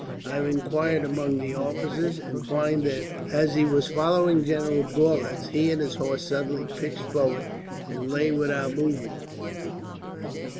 I have inquired among the officers and find that, as he was following General Gorlitz, he and his horse suddenly pitched forward and lay without movement.